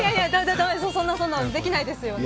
そんなのできないですよ。